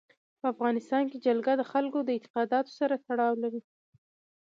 په افغانستان کې جلګه د خلکو د اعتقاداتو سره تړاو لري.